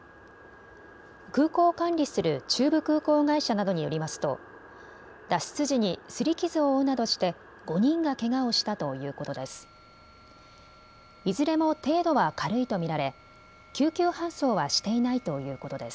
空港を管理する中部空港会社などによりますと脱出時にすり傷を負うなどして５人がけがをしたということです。